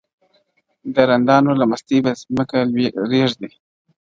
د رندانو له مستۍ به مځکه رېږدي،